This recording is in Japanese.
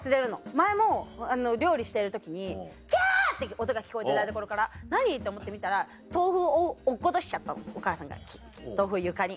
前も料理してる時にきゃ！って聞こえて台所から何？って思って見たら豆腐を落っことしちゃったのお母さんが豆腐を床に。